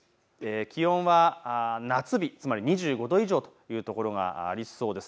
気温は夏日、つまり２５度以上というところがありそうです。